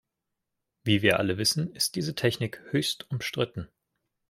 Wie wir alle wissen, ist diese Technik höchst umstritten.